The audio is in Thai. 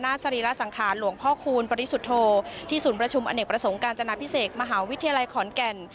หน้าศรีราสังขาลหลวงพคุณพททที่สูญประชุมอเนกประสงค์กาญจณะพิเศษมหาวิทยาลัยขอนแก่น